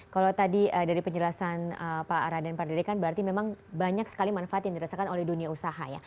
kalau tadi dari penjelasan pak raden pak dede kan berarti memang banyak sekali manfaat yang dirasakan oleh dunia usaha ya